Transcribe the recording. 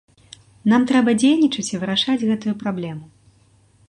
Нам трэба дзейнічаць і вырашаць гэтую праблему.